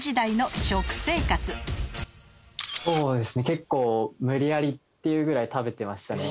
結構無理やりっていうぐらい食べてましたね。